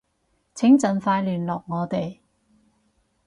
請盡快聯絡我哋